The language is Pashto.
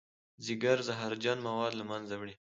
ځیګر زهرجن مواد له منځه وړي